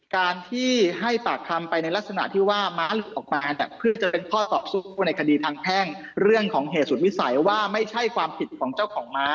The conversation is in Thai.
การที่ให้ปากคำไปในลักษณะที่ว่าม้าหลุดออกมาเนี่ยเพื่อจะเป็นข้อต่อสู้ในคดีทางแพ่งเรื่องของเหตุสุดวิสัยว่าไม่ใช่ความผิดของเจ้าของม้า